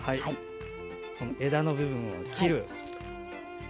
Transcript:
枝の部分を切って。